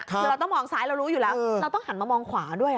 คือเราต้องมองซ้ายเรารู้อยู่แล้วเราต้องหันมามองขวาด้วย